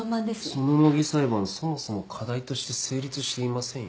その模擬裁判そもそも課題として成立していませんよ。